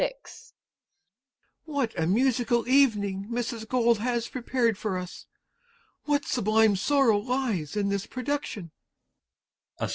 PIOUS. What a musical evening Mrs. Gold has prepared for us! What sublime sorrow lies in this production! MR. SILVER (aside).